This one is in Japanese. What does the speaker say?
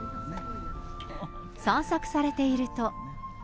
散策されていると。